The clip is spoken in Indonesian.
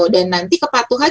dan nanti kepatuhan